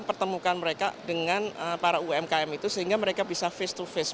pertemukan mereka dengan para umkm itu sehingga mereka bisa face to face